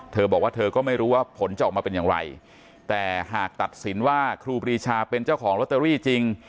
เธอบอกว่าเธอก็ไม่รู้ว่าผลจะออกมาเป็นอย่างไรแต่หากตัดสินว่าครูปรีชาเป็นเจ้าของลอตเตอรี่จริง